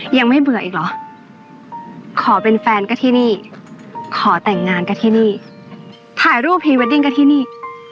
ยังไม่เบื่ออีกเหรอขอเป็นแฟนก็ที่นี่ขอแต่งงานกันที่นี่ถ่ายรูปพรีเวดดิ้งกันที่นี่